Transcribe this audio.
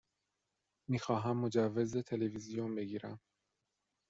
می خواهم مجوز تلویزیون بگیرم.